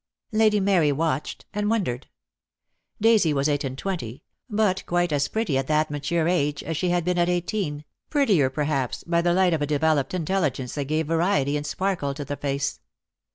Lady Mary watched and wondered. Daisy was eight and twenty, but quite as pretty at that mature age as she had been at eighteen, prettier perhaps by the light of a developed intelligence that gave variety and sparkle to the face.